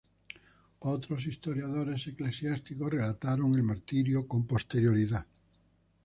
Otros historiadores eclesiásticos relataron el martirio con posterioridad.